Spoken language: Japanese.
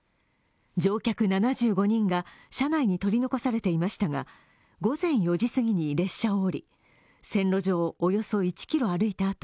乗客７５人が車内に取り残されていましたが午前４時すぎに列車を降り線路上をおよそ１ｋｍ歩いた